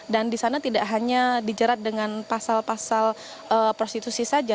dan di sana tidak hanya dijerat dengan pasal pasal prostitusi saja